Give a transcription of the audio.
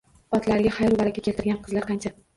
Otalariga xayru baraka keltirgan qizlar qancha!